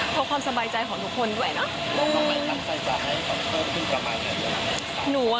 เพราะความสบายใจของทุกคนด้วยเนาะ